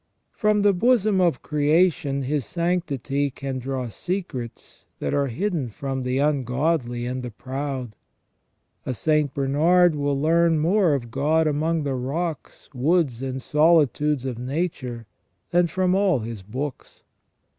From the bosom of creation his sanctity can draw secrets that are hidden from the ungodly and the proud. A Saint Bernard will learn more of God among the rocks, woods, and solitudes of nature than from all his books.